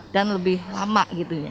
dan lebih lama